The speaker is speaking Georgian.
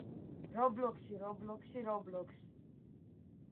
რობლოქსი, რობლოქსი, რობლოქსი